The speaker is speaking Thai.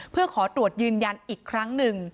เพื่อขอตรวจยืนยันอีกครั้งหนึ่ง